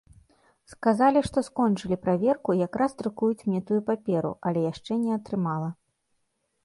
Сказалі, што скончылі праверку і якраз друкуюць мне тую паперу, але яшчэ не атрымала.